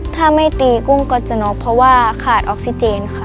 ถ้าไม่ตีกุ้งก็จะน็อกเพราะว่าขาดออกซิเจนค่ะ